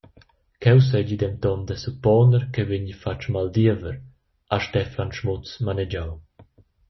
Cheu seigi denton da supponer ch’ei vegni fatg maldiever, ha Stefan Schmutz manegiau.